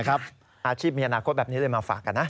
อาชีพมีอนาคตแบบนี้เลยมาฝากกันนะ